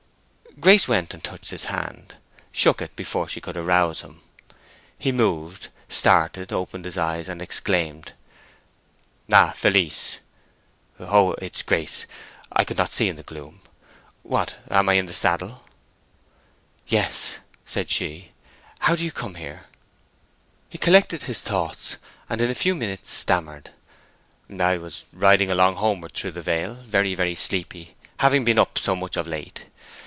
Grace went and touched his hand; shook it before she could arouse him. He moved, started, opened his eyes, and exclaimed, "Ah, Felice!...Oh, it's Grace. I could not see in the gloom. What—am I in the saddle?" "Yes," said she. "How do you come here?" He collected his thoughts, and in a few minutes stammered, "I was riding along homeward through the vale, very, very sleepy, having been up so much of late.